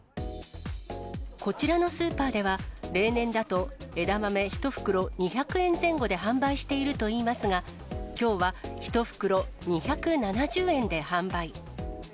こちらのスーパーでは、例年だと枝豆１袋２００円前後で販売しているといいますが、きょうは１袋２７０円で販売。